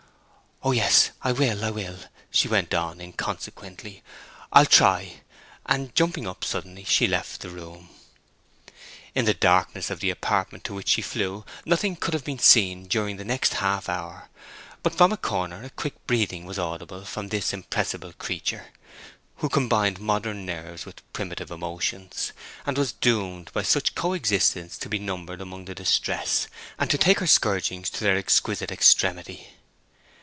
"Oh yes, I will, I will," she went on, inconsequently. "I'll try;" and jumping up suddenly, she left the room. In the darkness of the apartment to which she flew nothing could have been seen during the next half hour; but from a corner a quick breathing was audible from this impressible creature, who combined modern nerves with primitive emotions, and was doomed by such coexistence to be numbered among the distressed, and to take her scourgings to their exquisite extremity.